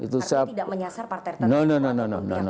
tidak menyasar partai tertentu